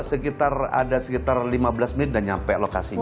di jember itu ada sekitar lima belas menit dan sampai lokasinya